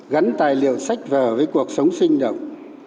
gắn tài liệu sách vở với cuộc sống sinh động